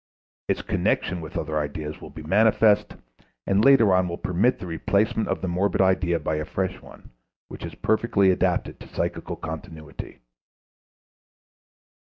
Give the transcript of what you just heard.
Its connection with other ideas will be manifest, and later on will permit the replacement of the morbid idea by a fresh one, which is perfectly adapted to psychical continuity.